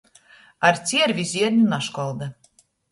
Ar ciervi zierņu naškolda.